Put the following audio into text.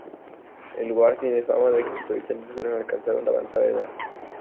El lugar tiene fama de que sus habitantes suelen alcanzar una avanzada edad.